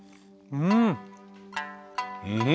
うん？